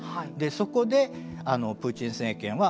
そこでプーチン政権は